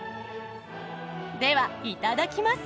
ではいただきます。